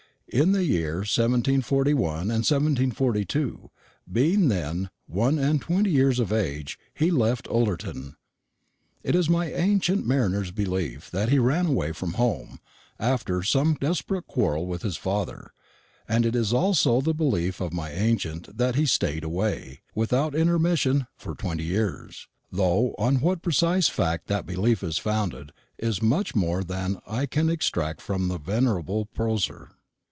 In the year 1741 2, being then one and twenty years of age, he left Ullerton. It is my ancient mariner's belief that he ran away from home, after some desperate quarrel with his father; and it is also the belief of my ancient that he stayed away, without intermission, for twenty years, though on what precise fact that belief is founded is much more than I can extract from the venerable proser.